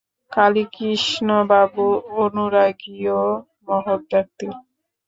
কালীকৃষ্ণবাবু অনুরাগী ও মহৎ ব্যক্তি।